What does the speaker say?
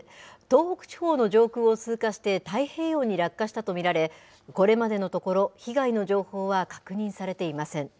東北地方の上空を通過して、太平洋に落下したと見られ、これまでのところ、被害の情報は確認されていません。